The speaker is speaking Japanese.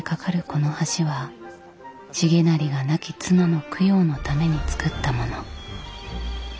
この橋は重成が亡き妻の供養のために造ったもの。